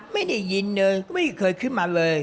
เราไปคุยต่อกับแม่ค้าขายข้าวที่สอนอบังขุนนล